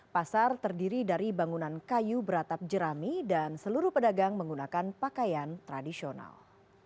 pasar terdiri dari bangunan kayu beratap jerami dan seluruh pedagang menggunakan pakaian tradisional